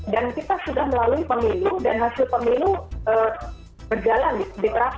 dan kita sudah melalui pemilu dan hasil pemilu berjalan di perasa